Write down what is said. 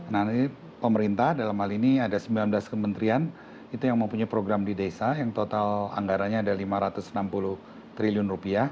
nah nanti pemerintah dalam hal ini ada sembilan belas kementerian itu yang mempunyai program di desa yang total anggaranya ada lima ratus enam puluh triliun